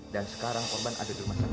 dan sekarang korban ada di rumah sana